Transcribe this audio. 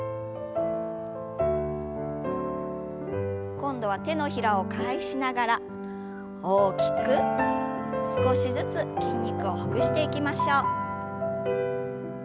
今度は手のひらを返しながら大きく少しずつ筋肉をほぐしていきましょう。